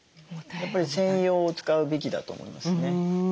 やっぱり専用を使うべきだと思いますね。